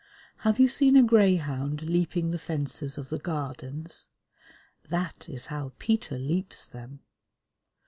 Have you seen a greyhound leaping the fences of the Gardens? That is how Peter leaps them.